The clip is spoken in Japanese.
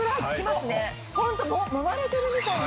ホントもまれてるみたいな。